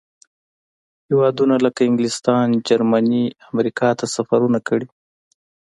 هېوادونو لکه انګلستان، جرمني، امریکا ته سفرونه کړي.